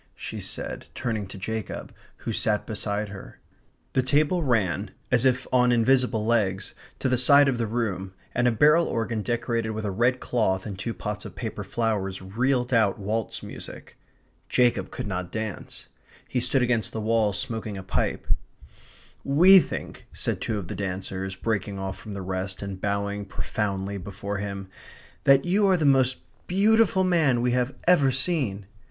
she said, turning to Jacob, who sat beside her. The table ran, as if on invisible legs, to the side of the room, and a barrel organ decorated with a red cloth and two pots of paper flowers reeled out waltz music. Jacob could not dance. He stood against the wall smoking a pipe. "We think," said two of the dancers, breaking off from the rest, and bowing profoundly before him, "that you are the most beautiful man we have ever seen."